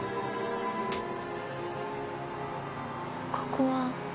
ここは？